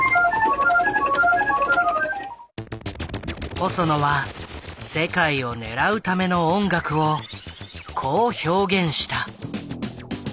細野は世界を狙うための音楽をこう表現した。